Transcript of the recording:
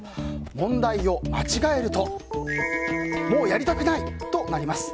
問題を間違えるともうやりたくない！となります。